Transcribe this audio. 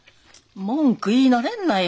文句言いなれんなよ。